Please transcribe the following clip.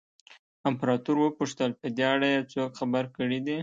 امپراتور وپوښتل په دې اړه یې څوک خبر کړي دي.